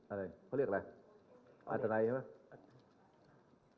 อาธิในมันเยอะครับ